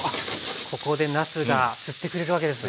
ここでなすが吸ってくれるわけですね。